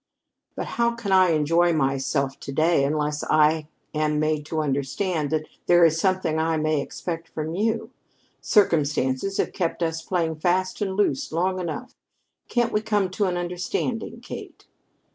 "But how can I enjoy myself to day unless I am made to understand that there is something I may expect from you? Circumstances have kept us playing fast and loose long enough. Can't we come to an understanding, Kate?"